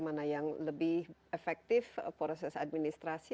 mana yang lebih efektif proses administrasi